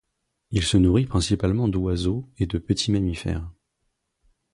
Il se nourrit principalement d'oiseaux et de petits mammifères.